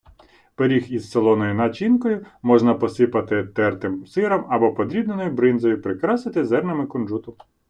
Пиріг із солоною начинкою можна посипати тертим сиром або подрібненою бринзою, прикрасити зернами кунжуту.